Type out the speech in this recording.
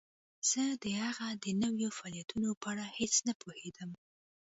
زه د هغه د نویو فعالیتونو په اړه هیڅ نه پوهیدم